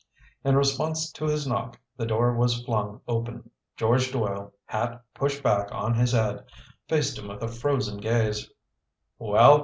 In response to his knock, the door was flung open. George Doyle, hat pushed back on his head, faced him with a frozen gaze. "Well?"